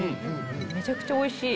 めちゃくちゃおいしい！